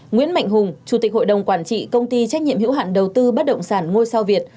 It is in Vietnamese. nguyễn mạnh hùng chủ tịch hội đồng quản trị công ty trách nhiệm hữu hạn đầu tư bất động sản ngôi sao việt